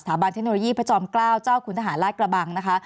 บรรเทคโนโลยีพระจอมเกล้าเจ้าคุณทหารราชกระบังนะคะ